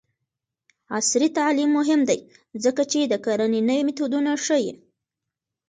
عصري تعلیم مهم دی ځکه چې د کرنې نوې میتودونه ښيي.